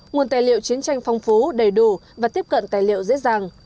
nguồn tài liệu chiến tranh phong phú đầy đủ và tiếp cận tài liệu dễ dàng